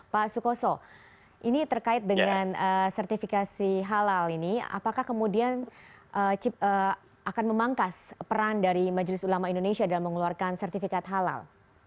pak sukoso ini terkait dengan sertifikasi halal ini apakah kemudian akan memangkas peran dari majelis ulama indonesia dalam mengeluarkan sertifikat halal